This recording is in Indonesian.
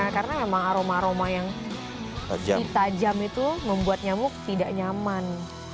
karena emang aroma aroma yang tajam itu membuat nyamuk tidak nyaman